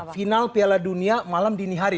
final piala dunia malam dini hari